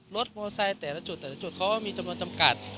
มอไซค์แต่ละจุดแต่ละจุดเขาก็มีจำนวนจำกัด